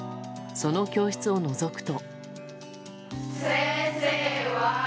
その教室をのぞくと。